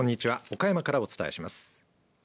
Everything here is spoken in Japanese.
岡山からお伝えします。